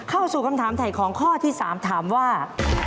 เข้าสู่คำถามถ่ายของข้อที่๓ถามว่า